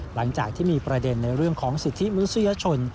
หลังจากที่มีประเด็นในเรื่องของสิทธิมนุษยชน